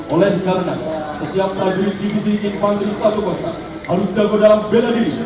oleh karena setiap prajurit divisi infantri satu kota harus jago dalam beda diri